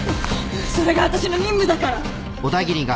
それが私の任務だから。